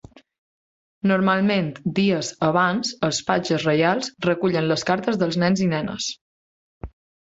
Normalment dies abans els Patges Reials recullen les cartes dels nens i nenes.